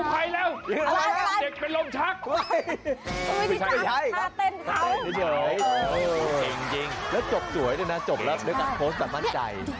เก่งจริงแล้วจบสวยนะแล้วกับโพสต์การมั่นใจ